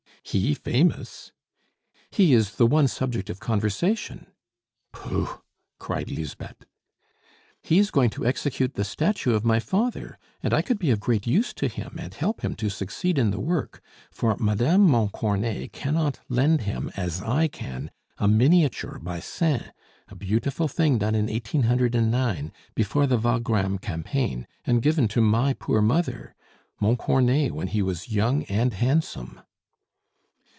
"He famous?" "He is the one subject of conversation." "Pooh!" cried Lisbeth. "He is going to execute the statue of my father, and I could be of great use to him and help him to succeed in the work; for Madame Montcornet cannot lend him, as I can, a miniature by Sain, a beautiful thing done in 1809, before the Wagram Campaign, and given to my poor mother Montcornet when he was young and handsome."